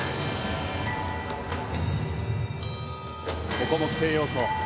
ここも規定要素。